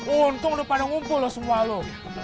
untung udah pada ngumpul semua lo